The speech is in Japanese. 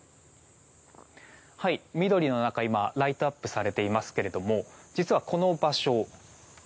緑の中ライトアップされていますけども実はこの場所